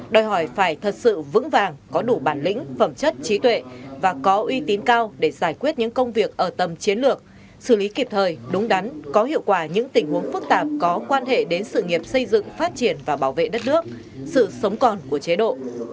đòi hỏi phải thật sự vững vàng có đủ bản lĩnh phẩm chất trí tuệ và có uy tín cao để giải quyết những công việc ở tầm chiến lược xử lý kịp thời đúng đắn có hiệu quả những tình huống phức tạp có quan hệ đến sự nghiệp xây dựng phát triển và bảo vệ đất nước sự sống còn của chế độ